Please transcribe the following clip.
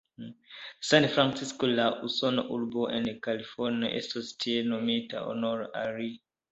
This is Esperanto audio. Sanfrancisko, la usona urbo en Kalifornio, estis tiel nomita honore al li.